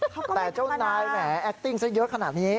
แต่เจ้านายแหมแอคติ้งซะเยอะขนาดนี้